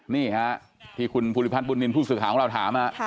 นี่ฮะที่คุณภูริพัฒนบุญนินทร์ผู้สื่อข่าวของเราถาม